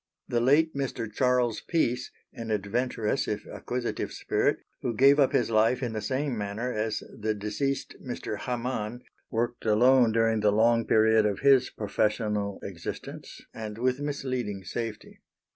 The late Mr. Charles Peace, an adventurous if acquisitive spirit, who gave up his life in the same manner as the deceased Mr. Haman, worked alone during the long period of his professional existence, and with misleading safety.